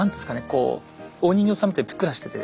こうお人形さんみたいにぷっくらしてて。